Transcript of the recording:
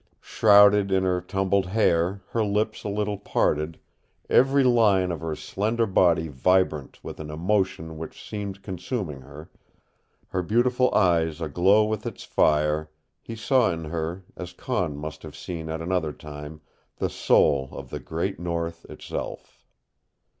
Shrouded in her tumbled hair, her lips a little parted, every line of her slender body vibrant with an emotion which seemed consuming her, her beautiful eyes aglow with its fire, he saw in her, as Conne must have seen at another time, the soul of the great North itself.